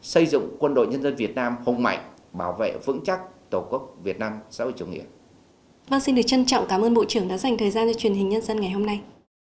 xây dựng quân đội nhân dân việt nam hùng mạnh bảo vệ vững chắc tổ quốc việt nam xã hội chủ nghĩa